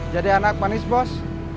jadi anak manis bos